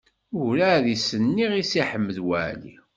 Ur ɛad i s-nniɣ i Si Ḥmed Waɛli.